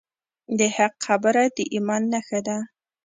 د حق خبره د ایمان نښه ده.